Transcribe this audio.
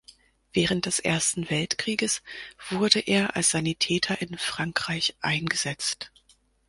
Während des Ersten Weltkrieges wurde er als Sanitäter in Frankreich eingesetzt.